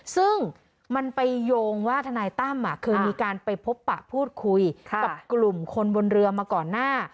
ซึ่งมันไปโยงว่าทนายตั้มเคยมีการไปพบปะพูดคุยกับกลุ่มคนบนเรือมาก่อนหน้า